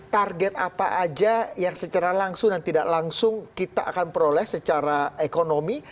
target apa aja yang secara langsung dan tidak langsung kita akan peroleh secara ekonomi